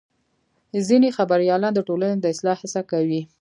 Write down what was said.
ځینې خبریالان د ټولنې د اصلاح هڅه کوي.